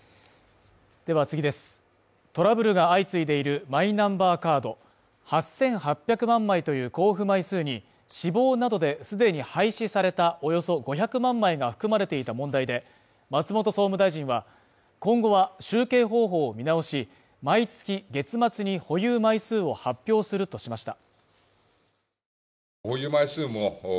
トラブルが相次いでいるマイナンバーカード８８００万枚という交付枚数に死亡などで既に廃止されたおよそ５００万枚が含まれていた問題で、松本総務大臣は、今後は集計方法を見直し、毎月月末に保有枚数を発表するとしました。